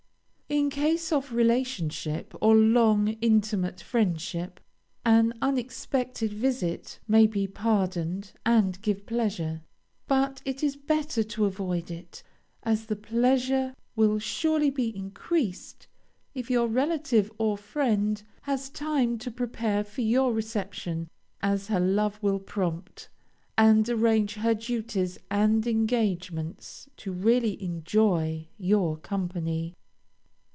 In case of relationship, or long intimate friendship, an unexpected visit may be pardoned and give pleasure, but it is better to avoid it, as the pleasure will surely be increased if your relative or friend has time to prepare for your reception as her love will prompt, and arrange her duties and engagements to really enjoy your company.